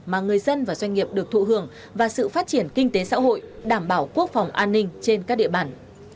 mà người dân và doanh nghiệp được thụ hưởng và sự phát triển kinh tế xã hội đảm bảo quốc phòng an ninh trên các địa bàn